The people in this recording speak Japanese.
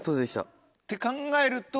って考えると。